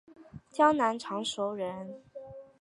江南常熟人。